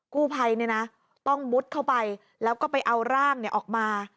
กู้ภัยเนี่ยนะต้องมุดเข้าไปแล้วก็ไปเอาร่างออกมา